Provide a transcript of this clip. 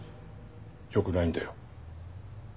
よくないんだよ。